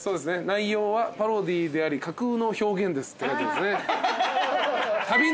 「内容はパロディーであり架空の表現です」って書いてありますね。